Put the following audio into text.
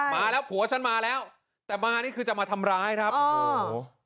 มาแล้วผัวฉันมาแล้วแต่มานี่คือจะมาทำร้ายครับโอ้โห